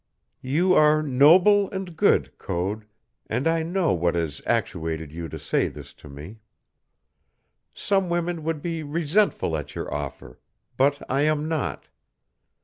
"You are noble and good, Code, and I know what has actuated you to say this to me. Some women would be resentful at your offer, but I am not.